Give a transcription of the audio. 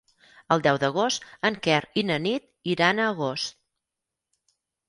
El deu d'agost en Quer i na Nit iran a Agost.